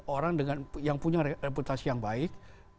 orang yang punya reputasi yang baik